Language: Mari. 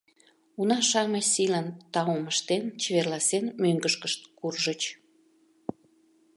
Уна-шамыч сийлан таум ыштен, чеверласен мӧҥгышкышт куржыч.